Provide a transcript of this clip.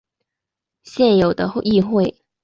现有的议会。